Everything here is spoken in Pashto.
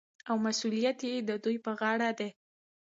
او مسوولیت یې د دوی په غاړه دی.